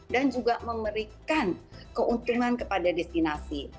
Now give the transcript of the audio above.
dan juga memberikan keuntungan kepada destinasi